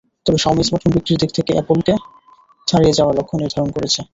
তবে Xiaomi smartphone বিক্রির দিক থেকে অ্যাপলকে ছাড়িয়ে যাওয়ার লক্ষ্য নির্ধারণ করেছে।